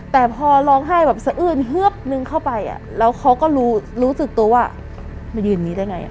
แต่พอร้องไห้แบบสะอื้นเฮือบนึงเข้าไปแล้วเขาก็รู้สึกตัวว่ามายืนนี้ได้ไง